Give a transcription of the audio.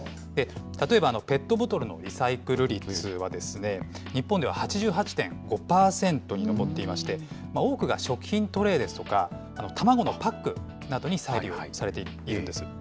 例えば、ペットボトルのリサイクル率は、日本では８８．５％に上っていまして、多くが食品トレーですとか、卵のパックなどに再利用されているんです。